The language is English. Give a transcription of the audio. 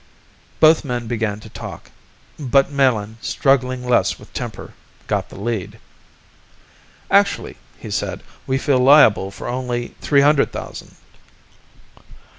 Both men began to talk but Melin, struggling less with temper, got the lead. "Actually," he said, "we feel liable for only three hundred thousand."